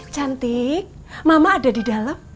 cantik mama ada di dalam